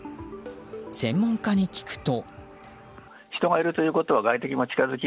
専門家に聞くと。